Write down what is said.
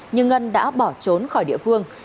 nhưng ngân đã bỏ trốn khỏi địa phương